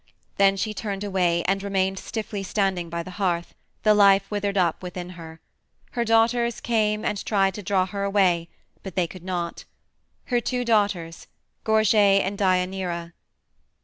Then she turned away and remained stiffly standing by the hearth, the life withered up within her. Her daughters came and tried to draw her away, but they could not her two daughters, Gorge and Deianira.